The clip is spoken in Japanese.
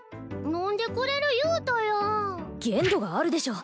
飲んでくれる言うたやん限度があるでしょ！